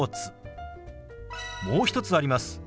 もう一つあります。